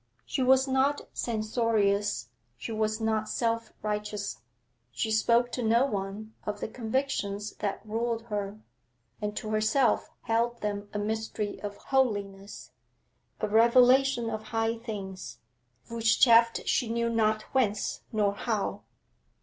She was not censorious, she was not self righteous; she spoke to no one of the convictions that ruled her, and to herself held them a mystery of holiness, a revelation of high things vouchsafed she knew not whence nor how.